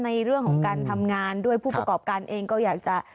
ในเรื่องด้วยผู้ประกอบการเองก็อยากจะ